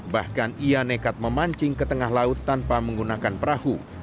bahkan ia nekat memancing ke tengah laut tanpa menggunakan perahu